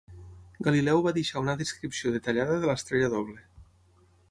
Galileu va deixar una descripció detallada de l'estrella doble.